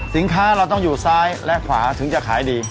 สินค้าเราต้องอยู่ซ้ายและขวาถึงจะขายดี